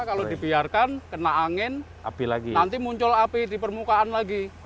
kalau dibiarkan kena angin nanti muncul api di permukaan lagi